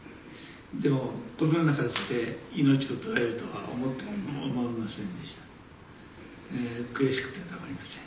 でも、このような形で命を取られるとは思ってもいませんでした。